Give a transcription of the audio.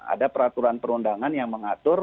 ada peraturan perundangan yang mengatur